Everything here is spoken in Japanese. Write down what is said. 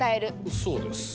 そうです。